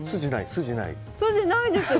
筋、ないです。